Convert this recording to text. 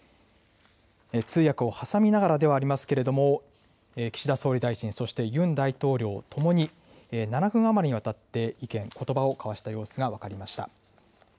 通訳を挟みながらではありますけれども、岸田総理大臣、そしてユン大統領ともに７分余りにわたって意見、ことばを交わした様子が分かりました。